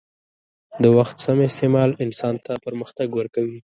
د وخت سم استعمال انسان ته پرمختګ ورکوي.